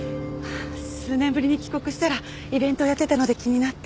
数年ぶりに帰国したらイベントやってたので気になって。